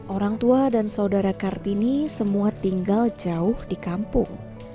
orang tua dan saudara kartini semua tinggal jauh di kampung